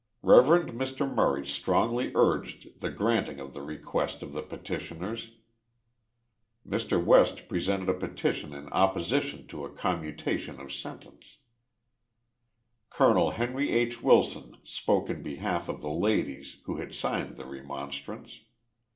Rev. Mr. Murray strongly urged the granting of the request of the petitioners. 60 9 THE LIFE OF JESSE HARDIXG POMEROY. Mr. West presented a petition in opposition to a commuta tion of sentence. Col. Henry H. Wilson spoke in behalf of the ladies, who had signed the remonstrance.